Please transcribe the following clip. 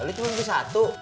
lu cuma beli satu